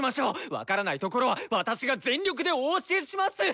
分からないところは私が全力でお教えします！